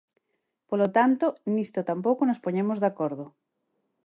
Polo tanto, nisto tampouco nos poñemos de acordo.